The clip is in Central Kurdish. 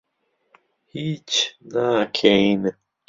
هیچ ناکەین.